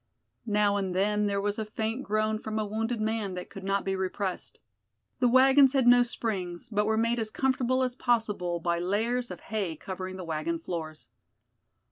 Now and then there was a faint groan from a wounded man that could not be repressed. The wagons had no springs, but were made as comfortable as possible by layers of hay covering the wagon floors.